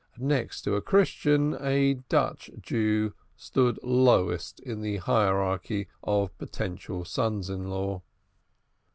Next to a Christian, a Dutch Jew stood lowest in the gradation of potential sons in law.